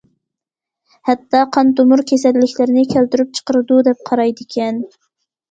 ھەتتا قان تومۇر كېسەللىكلىرىنى كەلتۈرۈپ چىقىرىدۇ دەپ قارايدىكەن.